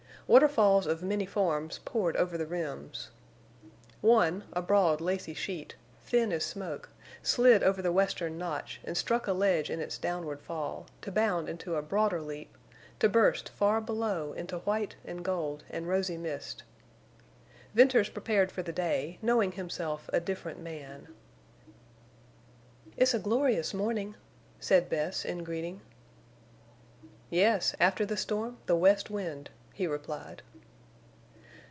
Waterfalls of many forms poured over the rims. One, a broad, lacy sheet, thin as smoke, slid over the western notch and struck a ledge in its downward fall, to bound into broader leap, to burst far below into white and gold and rosy mist. Venters prepared for the day, knowing himself a different man. "It's a glorious morning," said Bess, in greeting. "Yes. After the storm the west wind," he replied.